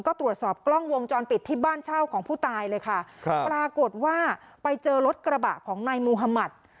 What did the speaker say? ก็ตรวจสอบกล้องวงจรปิดที่บ้านเช่าของผู้ตายเลยค่ะครับปรากฏว่าไปเจอรถกระบะของนายมุธมัติ